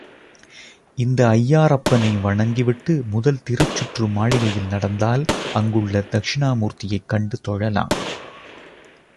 இந்த ஐயாறப்பனை வணங்கி விட்டு முதல் திருச்சுற்று மாளிகையில் நடந்தால் அங்குள்ள தக்ஷிணாமூர்த்தியைக் கண்டு தொழலாம்.